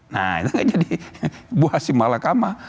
nah itu gak jadi buah si mahlakama